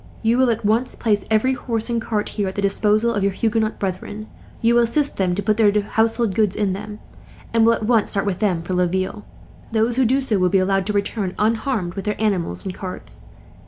"You will at once place every horse and cart here at the disposal of your Huguenot brethren. You will assist them to put their household goods in them, and will at once start with them for Laville. Those who do so will be allowed to return, unharmed, with their animals and carts.